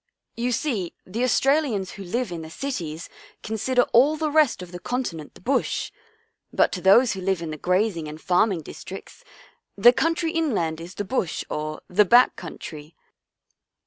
You see the Australians who live in the cities consider all the rest of the continent the Bush, 32 On the Way to the " Run " 33 but to those who live in the grazing and farm ing districts the country inland is the Bush or the ' Back Country.'